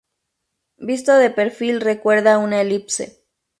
Visto de perfil recuerda una elipse.